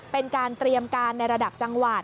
เป็นการเตรียมการในระดับจังหวัด